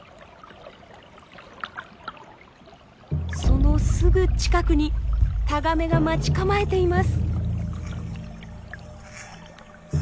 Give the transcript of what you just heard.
そのすぐ近くにタガメが待ち構えています。